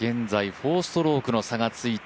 ４ストロークの差がついて